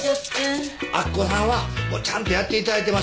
明子はんはもうちゃんとやっていただいてますわ。